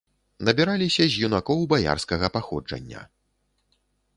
Набіраліся з юнакоў баярскага паходжання.